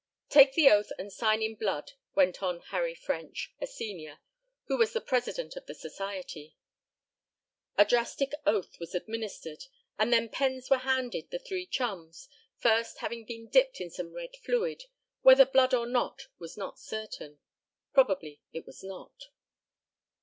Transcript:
"Take the oath and sign in blood," went on Harry French, a senior, who was the president of the society. A drastic oath was administered, and then pens were handed the three chums, first having been dipped in some red fluid, whether blood or not was not certain. Probably it was not.